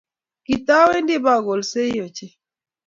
kitawendi ipate kulolsot ochei.